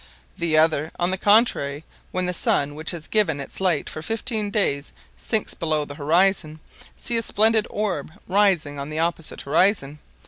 The other, on the contrary, when the sun which has given its light for fifteen days sinks below the horizon, see a splendid orb rise on the opposite horizon.